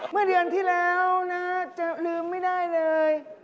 เมื่อเดือนที่แล้วนะจะลืมไม่ได้เลย